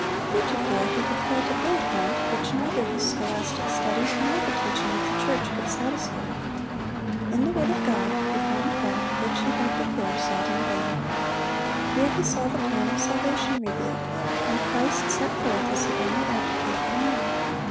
Heretofore he had felt a great want, which neither his scholastic studies nor the teaching of the church could satisfy. In the word of God he found that which he had before sought in vain. Here he saw the plan of salvation revealed, and Christ set forth as the only advocate for man.